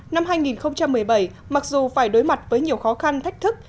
năm hai nghìn một mươi bảy mặc dù phải đối mặt với nhiều khó khăn thách thức